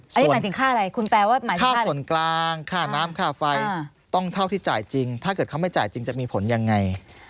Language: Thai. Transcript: อันนี้หมายถึงค่าอะไรคุณแปลว่าหมายถึงค่าส่วนกลางค่าน้ำค่าไฟต้องเท่าที่จ่ายจริงถ้าเกิดเขาไม่จ่ายจริงจะมีผลยังไง